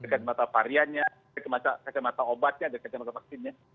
kacamata variannya kacamata obatnya kacamata vaksinnya